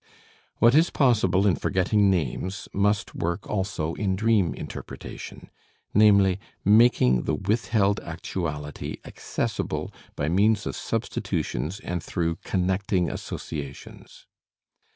What is possible in forgetting names must work also in dream interpretation, viz., making the withheld actuality accessible by means of substitutions and through connecting associations.